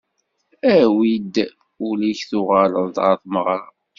Awi-d ul-ik tuγaleḍ-d γer tmeγra.